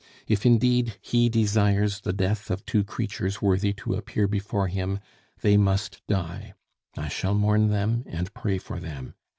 If, indeed, He desires the death of two creatures worthy to appear before Him, they must die! I shall mourn them, and pray for them!